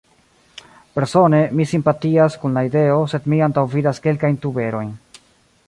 Persone, mi simpatias kun la ideo, sed mi antaŭvidas kelkajn tuberojn.